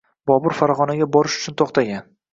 Bobur Fargʻonaga borish uchun to'xtagan